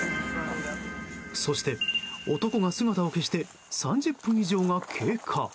そして男が姿を消して３０分以上が経過。